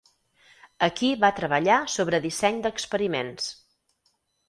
Aquí va treballar sobre disseny d'experiments.